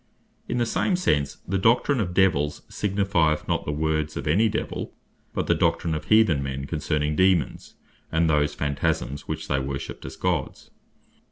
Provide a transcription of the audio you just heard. In the same sense the Doctrine of Devils, signifieth not the Words of any Devill, but the Doctrine of Heathen men concerning Daemons, and those Phantasms which they worshipped as Gods.